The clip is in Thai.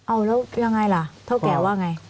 เอาแล้วยังไงล่ะเท่าแก่ว่าไง